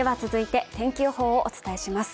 続いて、天気予報をお伝えします